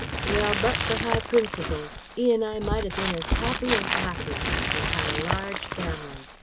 "Well, but for high principles, 'e and I might 'a bin as 'appy as 'appy and 'ad a large family.